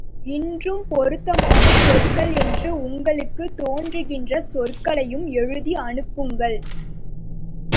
இன்னும் பொருத்தமான சொற்கள் என்று உங்களுக்குத் தோன்றுகின்ற சொற்களையும் எழுதி அனுப்புங்கள்.